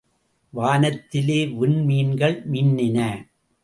வானத்திலே விண்மீன்கள் மின்னின.